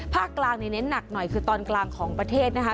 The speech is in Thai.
กลางในเน้นหนักหน่อยคือตอนกลางของประเทศนะคะ